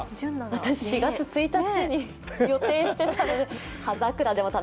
私、４月１日に予定していたのに。